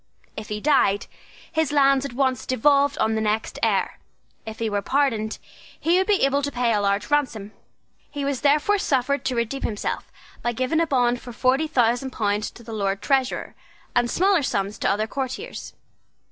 If he died, his lands at once devolved on the next heir. If he were pardoned, he would be able to pay a large ransom. He was therefore suffered to redeem himself by giving a bond for forty thousand pounds to the Lord Treasurer, and smaller sums to other courtiers.